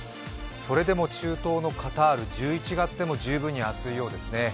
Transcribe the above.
それでも中東のカタール、１１月でも十分に暑いようですね。